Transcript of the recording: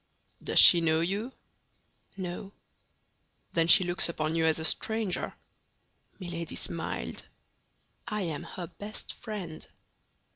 "Does she know you?" "No." "Then she looks upon you as a stranger?" Milady smiled. "I am her best friend."